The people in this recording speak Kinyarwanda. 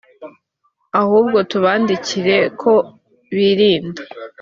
ahubwo tubandikire ko birinda